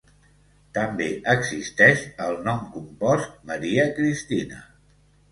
També existeix el nom compost Maria Cristina.